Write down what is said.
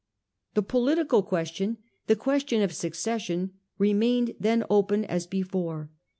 The political question, the question of succession, remained then open as before.